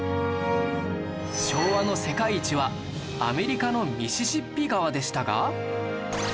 昭和の世界一はアメリカのミシシッピ川でしたが